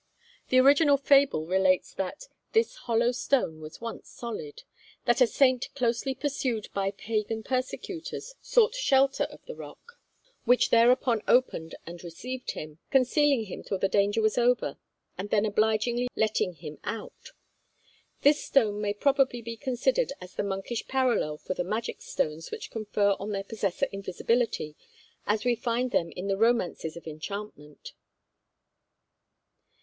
The original fable relates that this hollow stone was once solid; that a saint closely pursued by Pagan persecutors sought shelter of the rock, which thereupon opened and received him, concealing him till the danger was over and then obligingly letting him out. This stone may probably be considered as the monkish parallel for the magic stones which confer on their possessor invisibility, as we find them in the romances of enchantment.